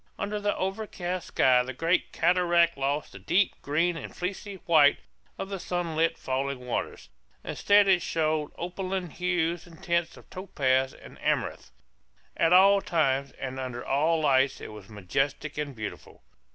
Under the overcast sky the great cataract lost the deep green and fleecy white of the sunlit falling waters. Instead it showed opaline hues and tints of topaz and amethyst. At all times, and under all lights, it was majestic and beautiful.